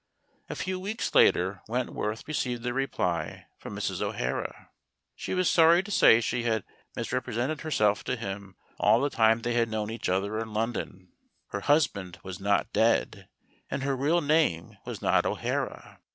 A few weeks later Wentworth received a reply from Mrs. O'Hara. She was sorry to say she had misrepresented herself to him all the time they had known each other in London. Her husband was not dead, and her real name was not O'Hara.